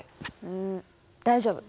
うん大丈夫。